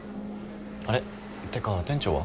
あれ？ってか店長は？